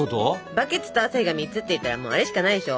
バケツと朝日が３つっていったらもうあれしかないでしょ。